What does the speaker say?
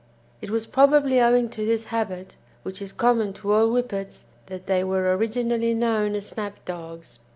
It was probably owing to this habit, which is common to all Whippets, that they were originally known as Snap Dogs.